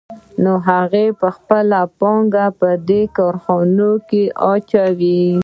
نو هغه خپله پانګه په دې کارخانه کې اچوي